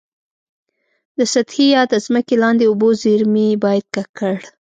د سطحي یا د ځمکي لاندي اوبو زیرمي باید ککړ.